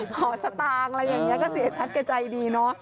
ขอสตางค์อะไรอย่างนี้ก็เสียชัดกับใจดี